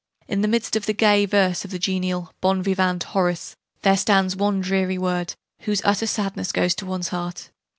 In the midst of the gay verses of that genial 'bon vivant' Horace, there stands one dreary word whose utter sadness goes to one's heart.